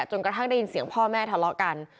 กระทั่งได้ยินเสียงพ่อแม่ทะเลาะกัน